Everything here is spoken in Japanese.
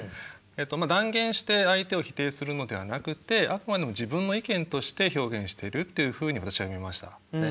えっと断言して相手を否定するのではなくってあくまでも自分の意見として表現しているというふうに私は見ましたね。